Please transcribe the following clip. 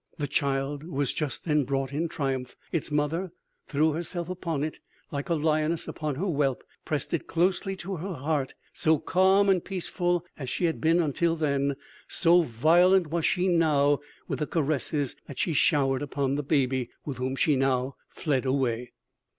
'" "The child was just then brought in triumph. Its mother threw herself upon it, like a lioness upon her whelp; pressed it closely to her heart; so calm and peaceful as she had been until then, so violent was she now with the caresses that she showered upon the baby, with whom she now fled away."